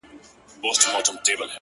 اوس ژاړي; اوس کتاب ژاړي; غزل ژاړي;